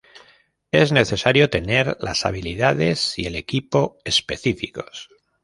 Es necesario tener las habilidades y el equipo específicos.